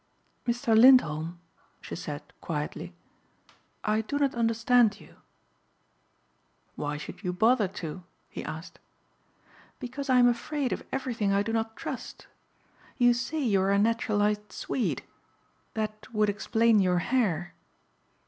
"Mr. Lindholm," she said quietly, "I do not understand you." "Why should you bother to?" he asked. "Because I am afraid of everything I do not trust. You say you are a naturalized Swede. That would explain your hair."